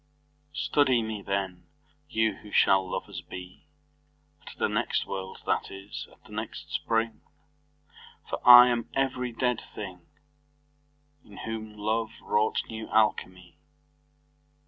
Study me then, you who shall lovers bee At the next world, that is, at the next Spring: For I am every dead thing, In whom love wrought new Alchimie.